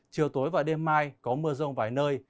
chiều tối và đêm mai có mưa rông vài nơi